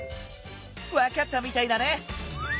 わかったみたいだね！